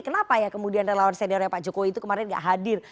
kenapa ya kemudian relawan seniornya pak jokowi itu kemarin gak hadir